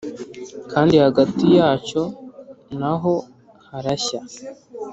kandi hagati yacyo na ho harashya